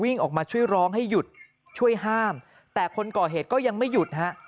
วิ่งออกมาช่วยร้องให้หยุดช่วยห้ามแต่คนก่อเหตุก็ยังไม่หยุดฮะ